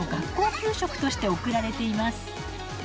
給食として送られています。